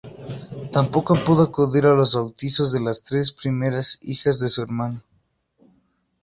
Tampoco pudo acudir a los bautizos de las tres primeras hijas de su hermano.